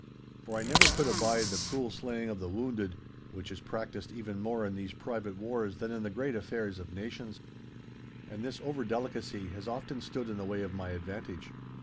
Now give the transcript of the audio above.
For I never could abide the cruel slaying of the wounded, which is practised even more in these private wars than in the great affairs of nations. And this over delicacy has often stood in the way of my advantage.